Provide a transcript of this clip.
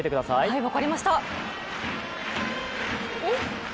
はい、分かりました。